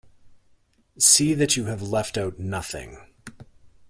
See that you have left out nothing.